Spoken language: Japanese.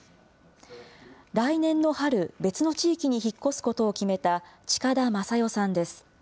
来年の春、別の地域に引っ越すことを決めた近田眞代さんです。